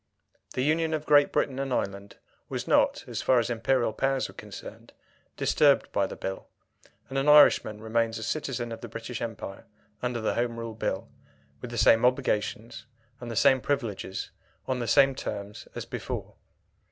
The union of Great Britain and Ireland was not, so far as Imperial powers were concerned, disturbed by the Bill, and an Irishman remains a citizen of the British Empire under the Home Rule Bill, with the same obligations and the same privileges, on the same terms as before.